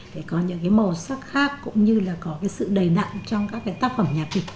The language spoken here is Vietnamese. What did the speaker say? để có những cái màu sắc khác cũng như là có cái sự đầy đặn trong các cái tác phẩm nhạc kịch